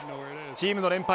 チームの連敗